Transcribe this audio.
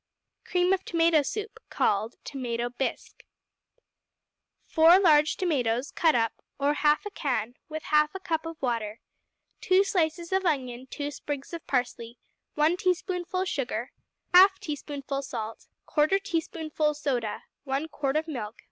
Cream of Tomato Soup, Called Tomato Bisque. 4 large tomatoes, cut up, or 1/2 can, with 1/2 cup of water. 2 slices of onion. 2 sprigs of parsley. 1 teaspoonful of sugar. 1/2 teaspoonful salt. 1/4 teaspoonful soda. 1 quart of milk.